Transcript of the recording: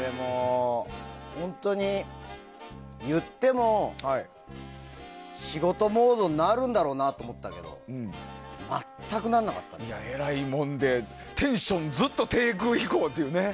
行っても仕事モードになるんだろうなと思ったけどえらいもんでテンションずっと低空飛行というね。